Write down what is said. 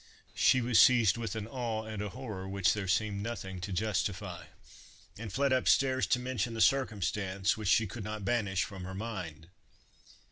She was seized with an awe and a horror which there seemed nothing to justify, and fled up stairs to mention the circumstance, which she could not banish from her mind.